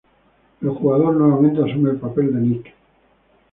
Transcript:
El jugador nuevamente asume el papel de Nick.